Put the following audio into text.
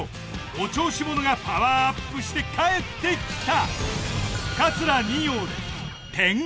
お調子者がパワーアップして帰ってきた！